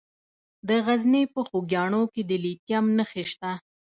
د غزني په خوږیاڼو کې د لیتیم نښې شته.